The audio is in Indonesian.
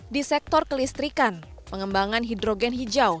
di sektor kelistrikan pengembangan hidrogen hijau